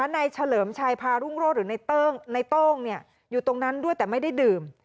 เฉลิมชัยพารุ่งโรศหรือในโต้งอยู่ตรงนั้นด้วยแต่ไม่ได้ดื่ม